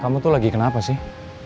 kamu tuh lagi kenapa sih